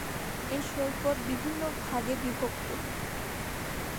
এই সৈকত বিভিন্ন ভাগে বিভক্ত।